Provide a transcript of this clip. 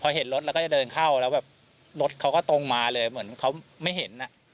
พอเห็นรถเราก็จะเดินเข้าแล้วแบบรถเขาก็ตรงมาเลยเหมือนเขาไม่เห็น